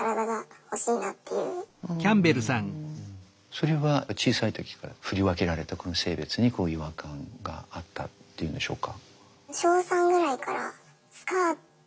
それは小さい時から振り分けられたこの性別にこう違和感があったっていうんでしょうか？